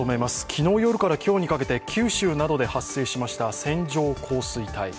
昨日夜から今日にかけて九州などで発生しました線状降水帯。